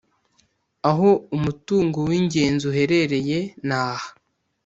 aho umutungo w’ingenzi uherereye ni aha